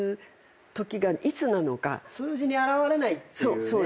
数字に表れないっていうね。